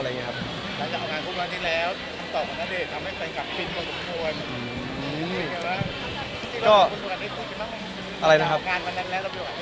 อืม